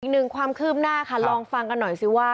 อีกหนึ่งความคืบหน้าค่ะลองฟังกันหน่อยสิว่า